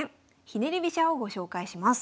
ひねり飛車」をご紹介します。